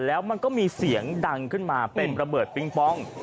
แล้วมันก็มีเสียงดังขึ้นมาเป็นระเบิดปิงปอง